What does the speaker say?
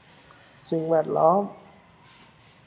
สิ่งแวดล้อม